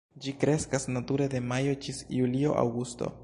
Ĝi kreskas nature de majo ĝis julio, aŭgusto.